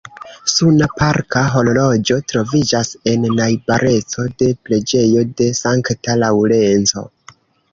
Suna parka horloĝo troviĝas en najbareco de preĝejo de sankta Laŭrenco.